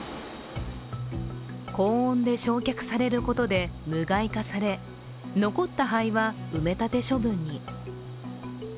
高温で焼却されることで、無害化され、残った灰は埋め立て処分に。